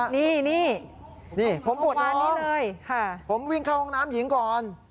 นี่ผมปวดลองผมวิ่งเข้าห้องน้ำหญิงก่อน